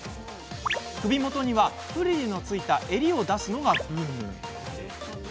首元にはフリルのついた襟を出すのがブーム。